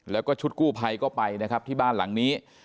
แล้วก็ชุดกู้ภัยก็ไปนะครับที่บ้านหลังนี้